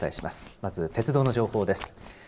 まず鉄道の情報です。